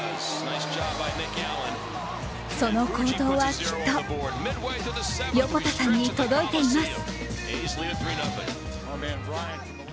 その好投はきっと横田さんに届いています。